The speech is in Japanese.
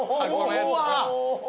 うわ。